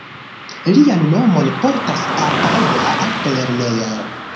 Lian nomon portas altaja altlernejo.